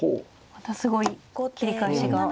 またすごい切り返しが。